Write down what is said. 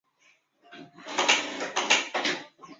沈氏浅胸溪蟹为溪蟹科浅胸溪蟹属的动物。